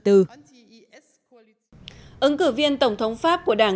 ứng cử viên tổng thống pháp của đảng